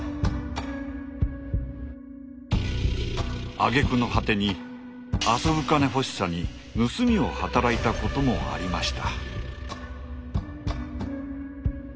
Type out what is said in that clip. あげくの果てに遊ぶ金欲しさに盗みを働いたこともありました。